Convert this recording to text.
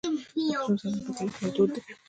د پسونو ساتنه په کلیو کې یو دود دی.